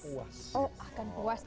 oh akan puas